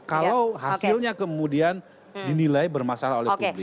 kalau hasilnya kemudian dinilai bermasalah oleh publik